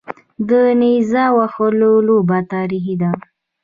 د نیزه وهلو لوبه تاریخي ده